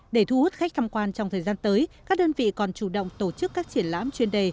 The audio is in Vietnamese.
để thu hút khách tham quan trong thời gian tới các đơn vị còn chủ động tổ chức các triển lãm chuyên đề